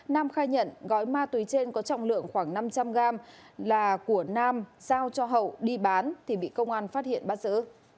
nam khai nhận gói ma túy trên có trọng lượng khoảng năm trăm linh gram là của nam giao cho hậu đi bán thì bị công an phát hiện bắt giữ